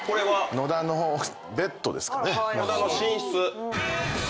野田の寝室。